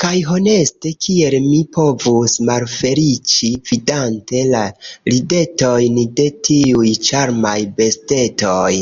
Kaj honeste, kiel mi povus malfeliĉi vidante la ridetojn de tiuj ĉarmaj bestetoj?